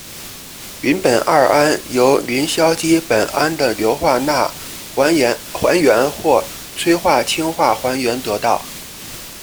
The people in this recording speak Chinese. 邻苯二胺由邻硝基苯胺的硫化钠还原或催化氢化还原得到。